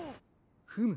フム。